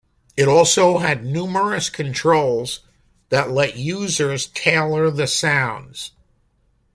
It also had numerous controls that let users tailor the sounds.